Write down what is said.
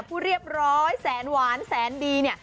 ผู้เรียบร้อยแสนหวานแสนดีเนี่ย